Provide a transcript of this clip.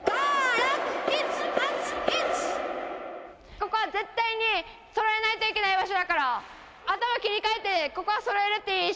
ここは絶対にそろえないといけない場所だから、頭切り替えて、ここはそろえるっていう意識